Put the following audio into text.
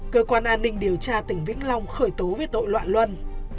cơ quan an ninh điều tra tỉnh vĩnh long khởi tố về tội loạn luân